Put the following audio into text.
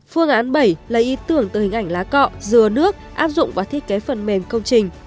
phương án bảy lấy ý tưởng từ hình ảnh lá cọ dừa nước áp dụng và thiết kế phần mềm công trình